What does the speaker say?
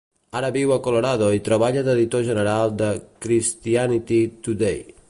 Ara viu a Colorado i treballa d'editor general de "Christianity Today".